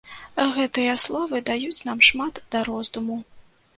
Гэтыя словы даюць нам шмат да роздуму.